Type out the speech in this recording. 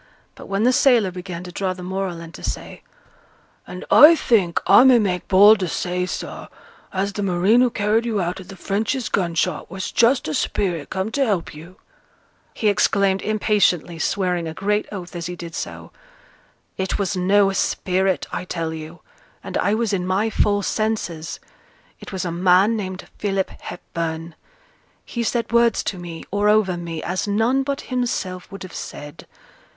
But when the sailor began to draw the moral, and to say, 'And I think I may make bold to say, sir, as th' marine who carried you out o' th' Frenchy's gun shot was just a spirit come to help you,' he exclaimed impatiently, swearing a great oath as he did so, 'It was no spirit, I tell you; and I was in my full senses. It was a man named Philip Hepburn. He said words to me, or over me, as none but himself would have said.